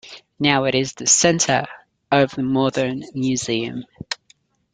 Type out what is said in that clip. Now it is the center of the modern museum.